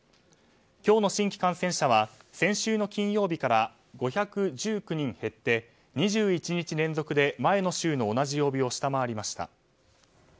今日の新規感染者は先週の金曜日から５１９人減って、２１日連続で前の週の同じ曜日を下回りました。